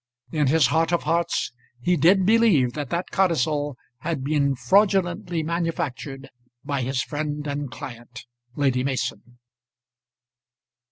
In his heart of hearts, he did believe that that codicil had been fraudulently manufactured by his friend and client, Lady Mason.